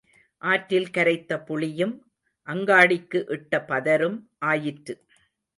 ஆற்றில் கரைத்த புளியும் அங்காடிக்கு இட்ட பதரும் ஆயிற்று.